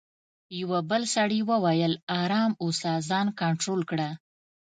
یوه بل سړي وویل: آرام اوسه، ځان کنټرول کړه.